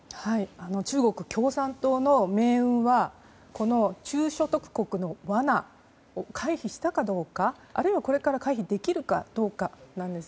中国共産党の命運は中所得国の罠を回避したかどうかあるいは、これから回避できるかどうかなんです。